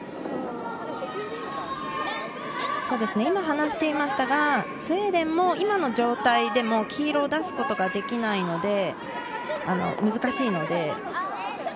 今、話していましたがスウェーデンも今の状態でも黄色を出すことができないので、難しいので。